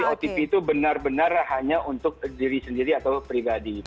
otp itu benar benar hanya untuk diri sendiri atau pribadi